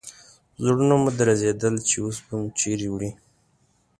زړونه مو درزېدل چې اوس به مو چیرې وړي.